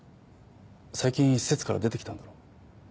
最近施設から出てきたんだろ？